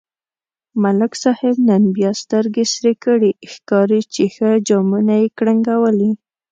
ملک صاحب نن بیا سترگې سرې کړي، ښکاري چې ښه جامونه یې کړنگولي.